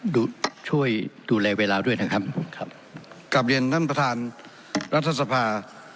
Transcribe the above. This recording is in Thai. ช่วยดูแลเวลาด้วยนะครับครับกลับเรียนท่านประธานรัฐสภา